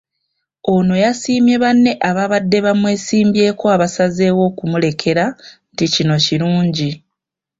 Ono yasiimye banne ababadde bamwesimbyeko abasazeewo okumulekera nti kino kirungi.